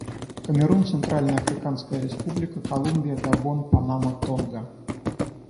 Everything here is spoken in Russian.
Камерун, Центральноафриканская Республика, Колумбия, Габон, Панама, Тонга.